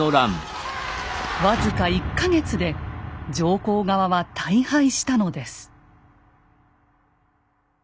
僅か１か月で上皇側は大敗したのです。